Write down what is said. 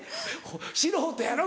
素人やろ？